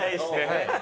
はい。